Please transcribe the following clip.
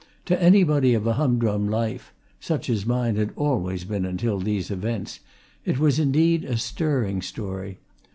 To anybody of a hum drum life such as mine had always been until these events it was, indeed, a stirring story.